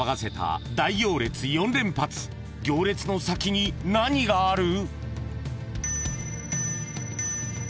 ［行列の先に何がある？］